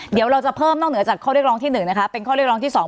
เดี๋ยวเราจะเพิ่มนอกเหนือจากข้อเรียกร้องที่๑นะคะเป็นข้อเรียกร้องที่๒